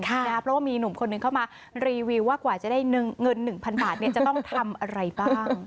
เพราะว่ามีหนุ่มคนหนึ่งเข้ามารีวิวว่ากว่าจะได้เงิน๑๐๐๐บาทจะต้องทำอะไรบ้าง